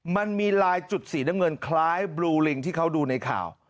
มันมีลายจุดสีน้ำเงินคล้ายบลูลิงที่เขาดูในข่าว